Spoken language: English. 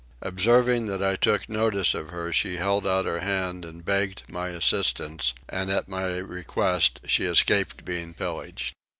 Observing that I took notice of her she held out her hand and begged my assistance; and at my request she escaped being pillaged.